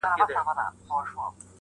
کلی ورو ورو د پیښي له فشار څخه ساه اخلي,